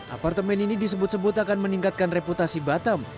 apartemen ini disebut sebut akan meningkatkan reputasi batam